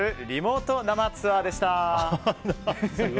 リモート生ツアーでした。